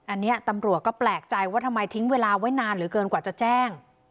อันนี้ตำรวจก็แปลกใจว่าทำไมทิ้งเวลาไว้นานเหลือเกินกว่าจะแจ้ง